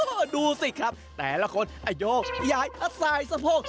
โฮดูสิครับแต่ละคนไอโยไอหายไอสายไอสะโพก